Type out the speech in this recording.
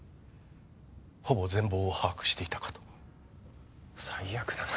ほぼ全貌を把握していたかと最悪だな